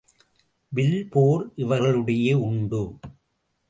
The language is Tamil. வில்போர் இவர்களிடையே உண்டு.